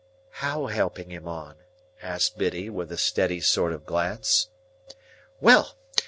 "How helping him on?" asked Biddy, with a steady sort of glance. "Well!